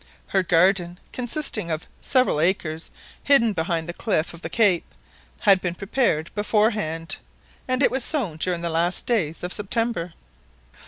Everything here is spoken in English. Her garden, consisting of several acres hidden behind the cliff of the cape, had been prepared beforehand, and it was sown during the last days of September.